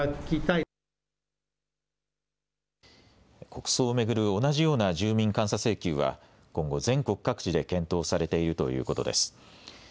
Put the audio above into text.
国葬を巡る同じような住民監査請求は今後、全国各地で検討されているということです。